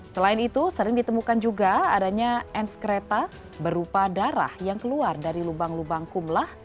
selain itu sering ditemukan juga adanya enskreta berupa darah yang keluar dari lubang lubang kumlah